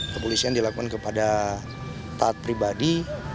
kepolisian dilakukan kepada taat pribadi